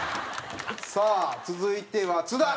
さあ続いては津田。